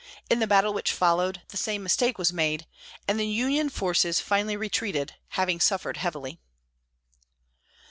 In the battle which followed, the same mistake was made, and the Union forces finally retreated, having suffered heavily.